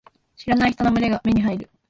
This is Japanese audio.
知らない人の群れが目に入る。